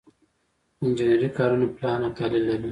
انجنري کارونه پلان او تحلیل لري.